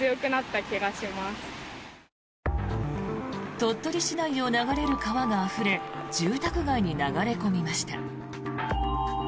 鳥取市内を流れる川があふれ住宅街に流れ込みました。